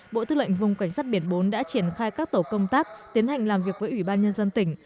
bộ tư lệnh vùng cảnh sát biển bốn đã triển khai các tổ công tác tiến hành làm việc với ủy ban nhân dân tỉnh